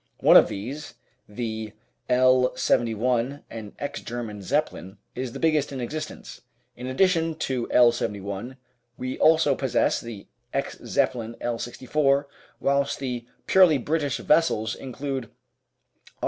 One of these, the L. 71, an ex German Zeppelin, is the biggest in existence. In addition to L. 71, we also possess the ex Zeppelin L. 64, whilst the purely British vessels include R.